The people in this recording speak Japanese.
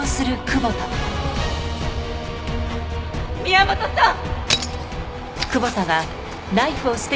宮本さん！